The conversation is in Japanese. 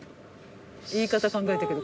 言い方考えたけど。